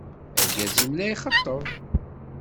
Argaz-im la yxeṭṭeb.